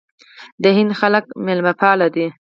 د هند خلک میلمه پال دي.